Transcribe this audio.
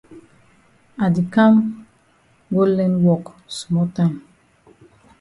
I di kam go learn wok small time.